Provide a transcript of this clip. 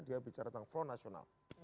dia bicara tentang form nasional